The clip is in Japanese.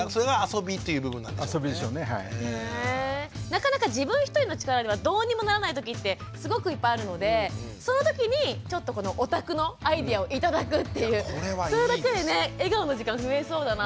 なかなか自分一人の力ではどうにもならない時ってすごくいっぱいあるのでその時にちょっとこのお宅のアイデアを頂くっていうそれだけでね笑顔の時間増えそうだなって思いました。